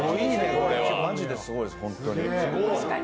マジですごいです、本当に。